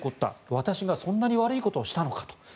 私がそんなに悪いことをしたのかと。